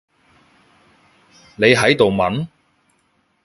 你喺度問？